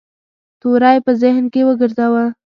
توری په ذهن کې را وګرځاوه.